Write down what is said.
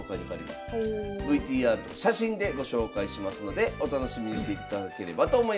ＶＴＲと写真でご紹介しますのでお楽しみにしていただければと思います。